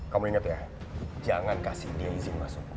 kamu ingat ya jangan kasih dia izin masuk